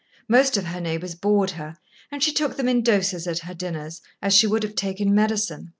Most of her neighbours bored her, and she took them in doses at her dinners, as she would have taken medicine.